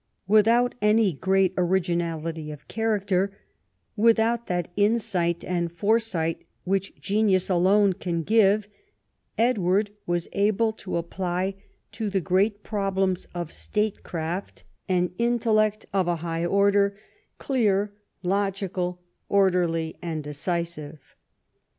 Without any great originality of character, without that insight and foresiglit which genius alone can gi"S'e, Edward was al)le to ap})ly to the great problems of statecraft an IV THE KING AND HIS WORK 73 intellect of a high order, clear, logical, orderly, and decisive.